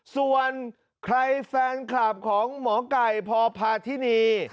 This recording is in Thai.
ส่วนใครแฟนคลับของหมอไก่พพาธินี